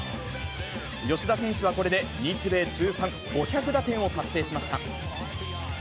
吉田選手はこれで日米通算５００打点を達成しました。